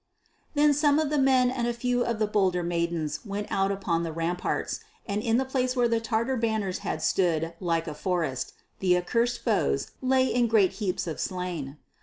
Then some of the men and a few of the bolder maidens went out upon the ramparts, and in the place where the Tatar banners had stood like a forest, the accursed foes lay in great heaps of slain.